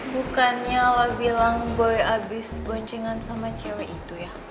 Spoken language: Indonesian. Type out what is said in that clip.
bukannya allah bilang boy abis boncengan sama cewek itu ya